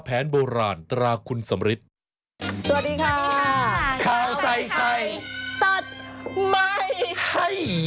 เปียกกันหรือยังคะตั้งแต่เช้า